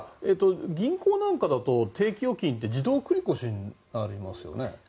銀行なんかだと定期預金って自動繰り越しありますよね。